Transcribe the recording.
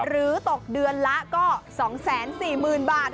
หรือตกเดือนละก็๒๔๐๐๐บาท